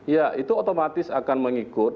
ya itu otomatis akan mengikut